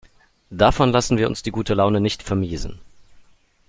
Davon lassen wir uns die gute Laune nicht vermiesen.